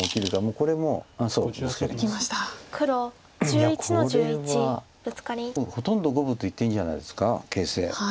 いやこれはほとんど五分といっていいんじゃないですか形勢。